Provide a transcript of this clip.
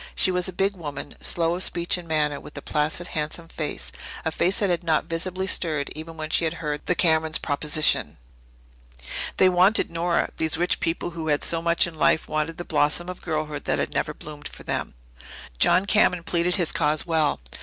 She was a big woman, slow of speech and manner, with a placid, handsome face a face that had not visibly stirred even when she had heard the Camerons' proposition. They wanted Nora these rich people who had so much in life wanted the blossom of girlhood that had never bloomed for them. John Cameron pleaded his cause well.